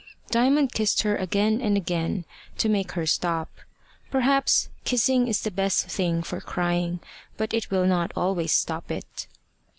Diamond kissed her again and again to make her stop. Perhaps kissing is the best thing for crying, but it will not always stop it.